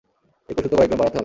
এই পশুত্ব কয়েকগুণ বাড়াতে হবে।